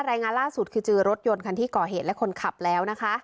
รายงานล่าสุดคือเจอรถยนต์คันที่ก่อเหตุและคนขับแล้วนะคะ